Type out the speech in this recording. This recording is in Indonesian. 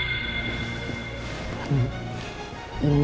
loh ini antingnya